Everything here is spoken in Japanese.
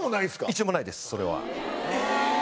一度もないですそれは。